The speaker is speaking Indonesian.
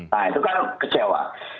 nah itu kan kecewa